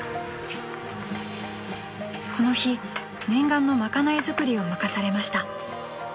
［この日念願の賄い作りを任されました］